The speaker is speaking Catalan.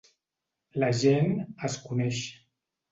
La gent es coneix.